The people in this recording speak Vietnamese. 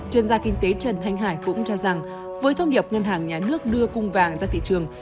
chuyên gia kinh tế trần thanh hải cũng cho rằng với thông điệp ngân hàng nhà nước đưa cung vàng ra thị trường